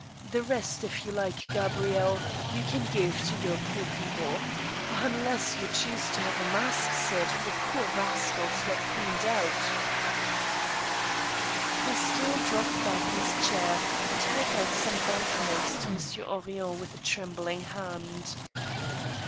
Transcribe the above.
.., The rest, if you like, Gabrielle, you can give to your poor people, ... unless you choose to have a mass said for poor rascals who are cleaned out —" Canton dropped back in his chair, and held out some bank notes to Monsieur Henrion with a trembling hand.